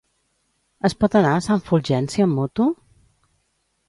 Es pot anar a Sant Fulgenci amb moto?